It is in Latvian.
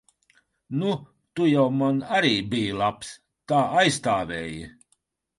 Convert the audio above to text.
Nu, tu jau man arī biji labs. Tā aizstāvēji.